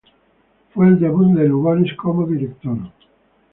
Fue el debut de Lugones como director.